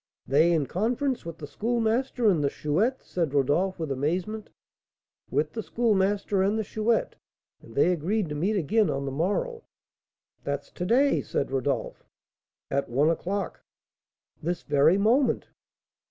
"They in conference with the Schoolmaster and the Chouette?" said Rodolph, with amazement. "With the Schoolmaster and the Chouette; and they agreed to meet again on the morrow." "That's to day!" said Rodolph. "At one o'clock." "This very moment!"